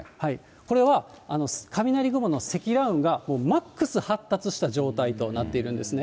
これは雷雲の積乱雲がマックス発達した状態となっているんですね。